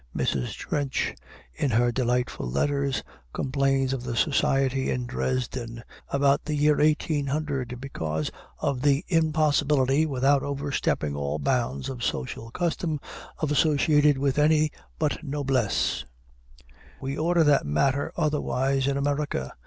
Mrs. Trench, in her delightful letters, complains of the society in Dresden, about the year 1800, because of "the impossibility, without overstepping all bounds of social custom, of associating with any but noblesse." We order that matter otherwise in America.